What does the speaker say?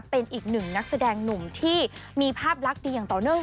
เป็นอีกหนึ่งนักแสดงหนุ่มที่มีภาพลักษณ์ดีอย่างต่อเนื่อง